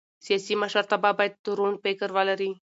سیاسي مشرتابه باید روڼ فکر ولري